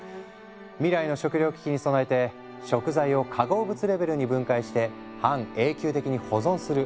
未来の食糧危機に備えて食材を化合物レベルに分解して半永久的に保存する。